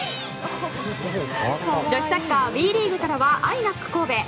女子サッカーＷＥリーグからはＩＮＡＣ神戸。